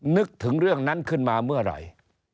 นึกถึงเรื่องนั้นขึ้นมาเมื่อไหร่